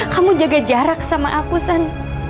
kamu jaga jarak sama aku san